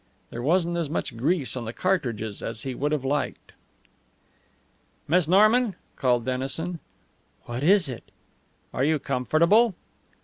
There wasn't as much grease on the cartridges as he would have liked. "Miss Norman?" called Dennison. "What is it?" "Are you comfortable?"